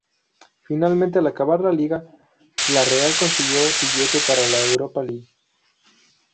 Finalmente, al acabar la liga, la Real consiguió billete para la Europa League.